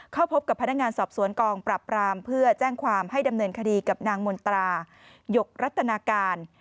เข้าพบกับพนักงานสอบสวนกองปรับรามเพื่อแจ้งความให้ดำเนินคดีกับนางมนตรายกรัตนาการ